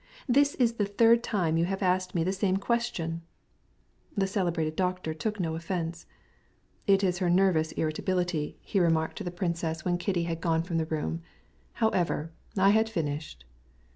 This is the third time you've asked me the same thing." The celebrated doctor did not take offense. "Nervous irritability," he said to the princess, when Kitty had left the room. "However, I had finished...."